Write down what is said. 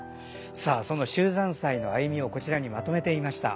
さあその秀山祭の歩みをこちらにまとめてみました。